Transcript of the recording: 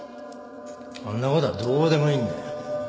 そんな事はどうでもいいんだよ。